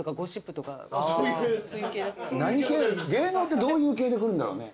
芸能ってどういう系でくるんだろうね。